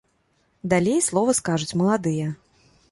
Далей слова скажуць маладыя.